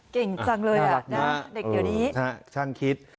เก่งจังเลยอ่ะเด็กเดี๋ยวนี้น่ารักมากช่างคิด